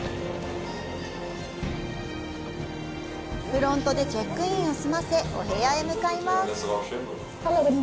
フロントでチェックインを済ませ、お部屋へ向かいます。